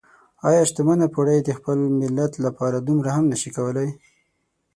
ايا شتمنه پوړۍ د خپل ملت لپاره دومره هم نشي کولای؟